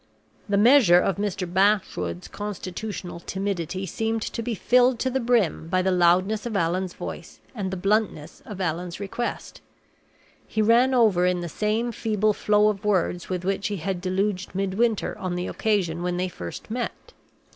The measure of Mr. Bashwood's constitutional timidity seemed to be filled to the brim by the loudness of Allan's voice and the bluntness of Allan's request. He ran over in the same feeble flow of words with which he had deluged Midwinter on the occasion when they first met.